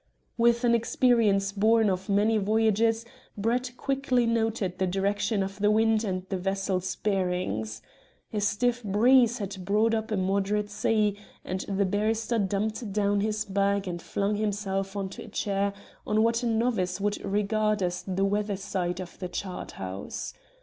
With an experience born of many voyages, Brett quickly noted the direction of the wind and the vessel's bearings. A stiff breeze had brought up a moderate sea, and the barrister dumped down his bag and flung himself into a chair on what a novice would regard as the weather side of the charthouse.